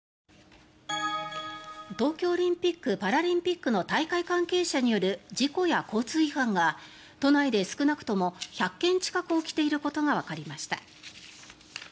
東京オリンピック・パラリンピックの大会関係者による事故や交通違反が都内で少なくとも１００件近く起きていることがわかりました。